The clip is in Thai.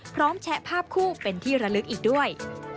แชะภาพคู่เป็นที่ระลึกอีกด้วย